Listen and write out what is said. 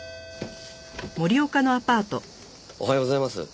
おはようございます。